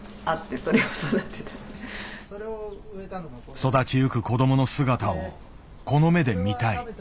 育ちゆく子どもの姿をこの目で見たい。